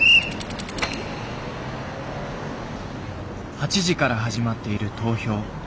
８時から始まっている投票。